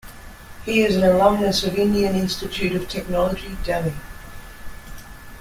He is an alumnus of Indian Institute of Technology, Delhi.